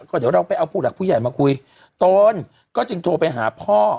ก็เดี๋ยวเราไปเอาผู้หลักผู้ใหญ่มาคุยตนก็จึงโทรไปหาพ่อ